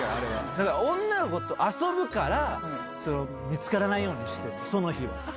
だから女の子と遊ぶから、見つからないようにしてるの、その日は。